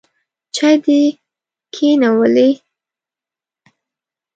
چای دي کښېښوولې ؟